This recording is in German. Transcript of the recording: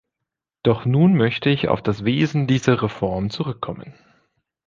Doch nun möchte ich auf das Wesen dieser Reform zurückkommen.